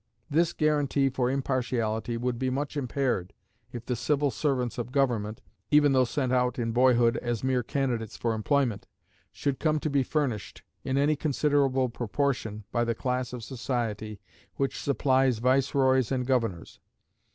This guaranty for impartiality would be much impaired if the civil servants of government, even though sent out in boyhood as mere candidates for employment, should come to be furnished, in any considerable proportion, by the class of society which supplies viceroys and governors.